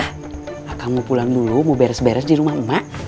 ya akang mau pulang dulu mau beres beres di rumah emak